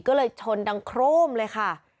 ก็เลยชนดังโครมเลยค่ะ